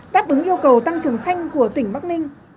táp ứng yêu cầu tăng trưởng xanh của tỉnh bắc ninh